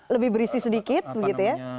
lebih berisi sedikit begitu ya